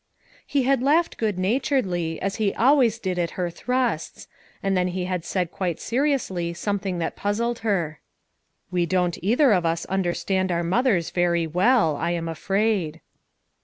He had laughed good naturedly, as he always did at her thrusts, and then he had said quite seriously something that puzzled her. "We don't either of us understand our mothers very well, I am afraid."